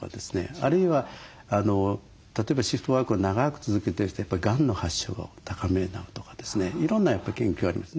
あるいは例えばシフトワークを長く続けてる人はやっぱりがんの発症が高めになるとかですねいろんな研究がありますね。